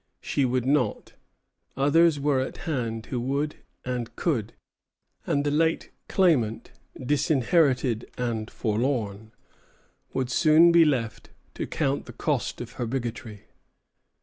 She would not; others were at hand who both would and could; and the late claimant, disinherited and forlorn, would soon be left to count the cost of her bigotry.